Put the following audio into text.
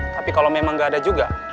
tapi kalau memang nggak ada juga